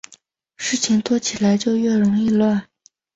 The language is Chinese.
事情多起来就容易乱